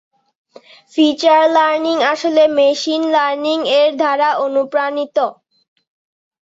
Feature learning আসলে machine learning এর দ্বারা অনুপ্রাণিত।